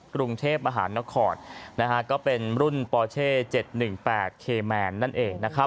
กรุงเทพฯอาหารนครนะฮะก็เป็นรุ่นปอลเช่เจ็ดหนึ่งแปดเคแมนนั่นเองนะครับ